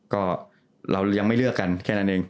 ก็เรายังไม่เลือกกันแค่นั้นเอง